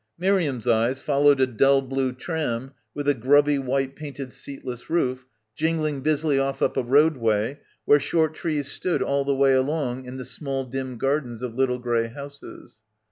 Miriam's eyes followed a dull blue tram with a grubby white painted seatless roof jing ling busily off up a roadway where short trees stood all the way along in the small dim gardens of little grey houses.